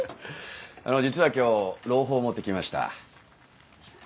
あの実は今日朗報を持って来ました。